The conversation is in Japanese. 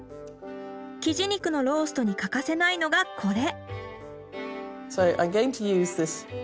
キジ肉のローストに欠かせないのがこれ。